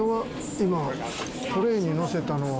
今トレーに載せたのは。